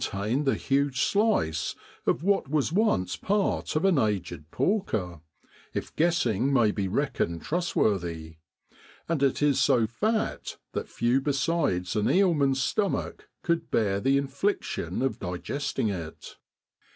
tain the huge slice of what was once part j of an aged porker if guessing may be reckoned trustworthy; and it is so fat that few besides an eel man's stomach could bear the infliction of digesting it.